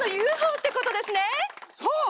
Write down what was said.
そう！